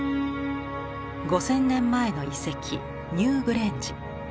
５，０００年前の遺跡ニューグレンジ。